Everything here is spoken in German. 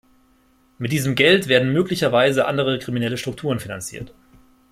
Mit diesem Geld werden möglicherweise andere kriminelle Strukturen finanziert.